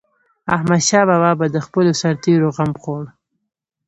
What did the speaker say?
احمدشاه بابا به د خپلو سرتيرو غم خوړ.